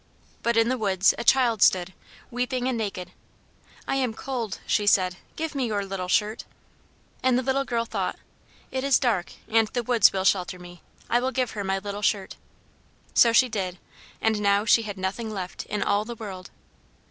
But in the woods a child stood, weeping and naked. "I am cold," she said, "give me your little shirt!" And the little girl thought, "It is dark, and the woods will shelter me; I will give her my little shirt"; so she did, and now she had nothing left in all the world.